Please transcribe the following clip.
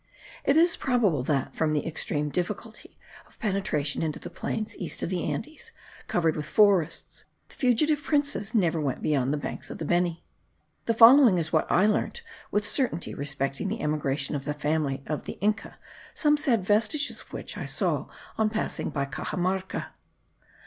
It is probable that, from the extreme difficulty of penetration into the plains east of the Andes, covered with forests, the fugitive princes never went beyond the banks of the Beni. The following is what I learnt with certainty respecting the emigration of the family of the Inca, some sad vestiges of which I saw on passing by Caxamarca.